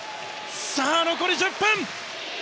さあ残り１０分。